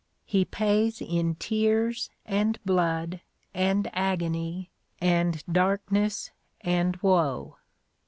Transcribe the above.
He pays in tears and blood, and agony, and darkness, and woe.